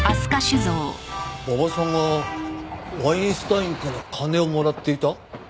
馬場さんがワインスタインから金をもらっていた？